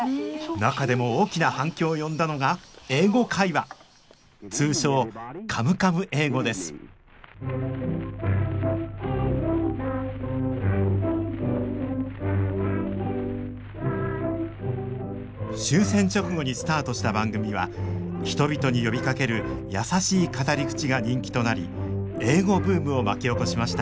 中でも大きな反響を呼んだのが「英語会話」通称「カムカム英語」です終戦直後にスタートした番組は人々に呼びかける優しい語り口が人気となり英語ブームを巻き起こしました